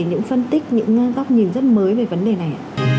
những phân tích những góc nhìn rất mới về vấn đề này